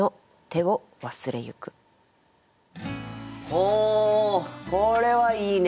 おおこれはいいね。